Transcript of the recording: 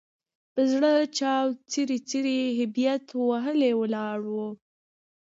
په زړه چاود، څیري څیري هبیت وهلي ولاړ وو.